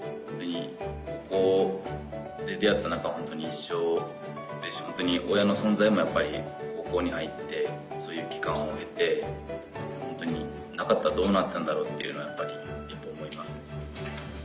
ここで出会った仲間はホントに一生ですし親の存在もやっぱり高校に入ってそういう期間を経てホントになかったらどうなってたんだろうっていうのは思いますね。